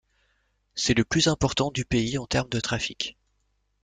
C'est le plus important du pays en termes de trafic.